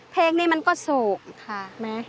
เพลงนี้มันก็โศกค่ะ